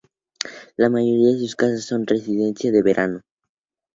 La mayoría de sus casas son residencia de verano.